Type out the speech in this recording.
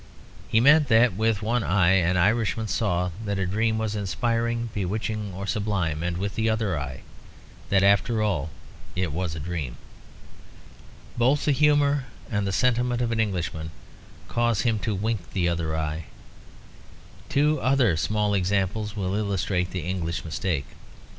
He meant that with one eye an Irishman saw that a dream was inspiring, bewitching, or sublime, and with the other eye that after all it was a dream. Both the humour and the sentiment of an Englishman cause him to wink the other eye. Two other small examples will illustrate the English mistake.